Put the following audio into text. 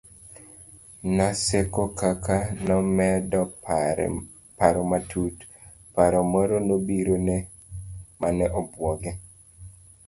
Naseko kaka nomedo paro matut, paro moro nobirone mane obwoge